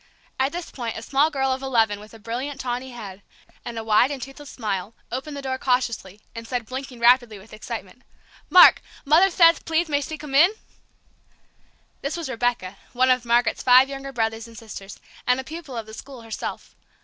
At this point, a small girl of eleven with a brilliant, tawny head, and a wide and toothless smile, opened the door cautiously, and said, blinking rapidly with excitement, "Mark, Mother theth pleath may thee come in?" This was Rebecca, one of Margaret's five younger brothers and sisters, and a pupil of the school herself.